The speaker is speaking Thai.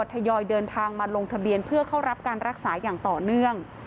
ทยอยเดินทางมาลงทะเบียนเพื่อเข้ารับการรักษาอย่างต่อเนื่อง